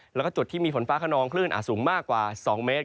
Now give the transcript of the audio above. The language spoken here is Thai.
แล้วก็จุดที่มีฝนฟ้าขนองคลื่นอาจสูงมากกว่า๒เมตร